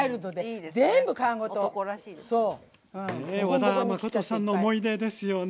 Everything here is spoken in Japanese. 和田誠さんの思い出ですよね